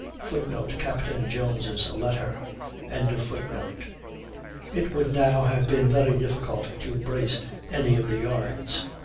[Footnote: Capt. Jones' letter.] It would now have been very difficult to brace any of the yards.